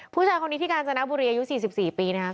ผู้ชายคนนี้ที่กาญจนบุรีอายุ๔๔ปีนะครับ